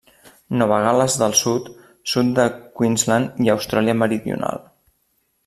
Nova Gal·les del Sud, sud de Queensland i Austràlia Meridional.